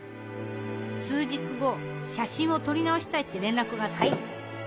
数日後写真を撮り直したいって連絡があったの。